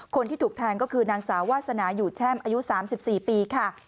คนที่ถูกแทงก็คือนางสาววาสนาอยู่แช่มอายุ๓๔ปีค่ะ